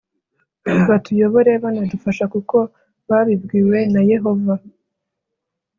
batuyobore banadufasha kuko babibwiwe na Yehova